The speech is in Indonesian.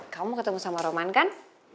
kamu ketemu sama roman kan